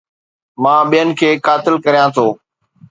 مان ٻين کي قائل ڪريان ٿو